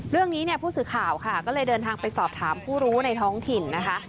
เรื่องนี้เนี่ยผู้สื่อข่าวค่ะก็เลยเดินทางไปสอบถามผู้รู้ในท้องถิ่นนะคะ